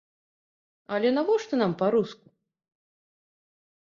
Але навошта нам па-руску?